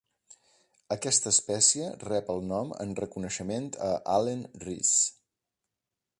Aquesta espècie rep el nom en reconeixement a Allen Rees.